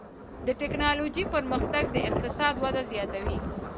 د ټکنالوجۍ پرمختګ د اقتصاد وده زیاتوي.